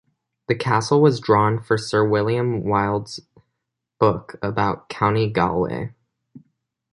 The castle was drawn for Sir William Wilde's book about County Galway.